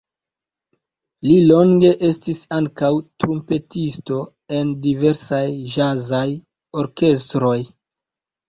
Li longe estis ankaŭ trumpetisto en diversaj ĵazaj orkestroj.